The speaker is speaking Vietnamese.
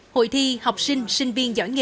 hội thi học sinh sinh viên giỏi nghề